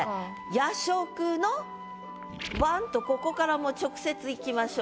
「夜食の椀」とここからもう直接いきましょう。